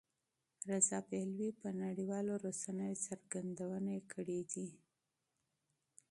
رضا پهلوي په نړیوالو رسنیو څرګندونې کړې دي.